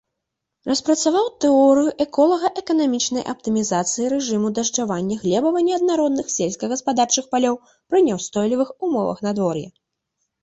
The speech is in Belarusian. Распрацаваў тэорыю эколага-эканамічнай аптымізацыі рэжыму дажджавання глебава-неаднародных сельскагаспадарчых палёў пры няўстойлівых умовах надвор'я.